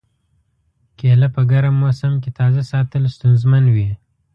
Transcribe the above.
کېله په ګرم موسم کې تازه ساتل ستونزمن وي.